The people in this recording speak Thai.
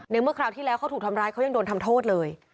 เมื่อคราวที่แล้วเขาถูกทำร้ายเขายังโดนทำโทษเลย